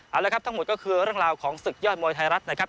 เอาละครับทั้งหมดก็คือเรื่องราวของศึกยอดมวยไทยรัฐนะครับ